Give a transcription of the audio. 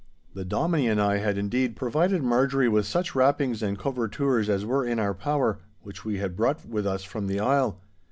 The Dominie and I had, indeed, provided Marjorie with such wrappings and covertures as were in our power, which we had brought with us from the isle.